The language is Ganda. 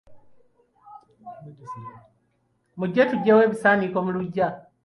Mujje tuggyewo ebisaaniko mu luggya.